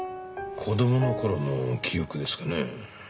子供の頃の記憶ですかね。